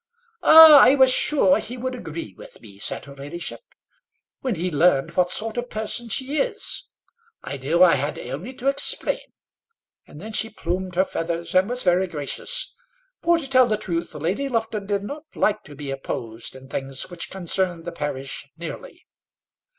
"Ah! I was sure he would agree with me," said her ladyship, "when he learned what sort of person she is. I know I had only to explain;" and then she plumed her feathers, and was very gracious; for, to tell the truth, Lady Lufton did not like to be opposed in things which concerned the parish nearly.